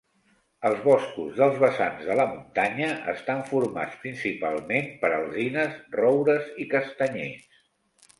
Els boscos dels vessants de la muntanya estan formats principalment per alzines, roures i castanyers.